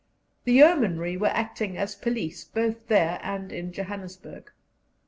The yeomanry were acting as police both there and in Johannesburg.